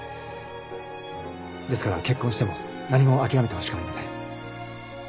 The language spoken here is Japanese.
ですから結婚しても何も諦めてほしくありません。